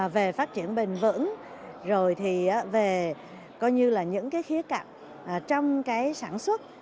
về phát triển bình vẩn rồi thì về những khía cặp trong sản xuất